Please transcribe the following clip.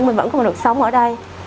mình vẫn không được sống ở đây